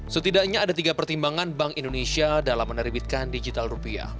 setidaknya ada tiga pertimbangan bank indonesia dalam menerbitkan digital rupiah